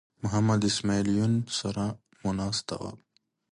د محمد اسماعیل یون سره مو ناسته وه.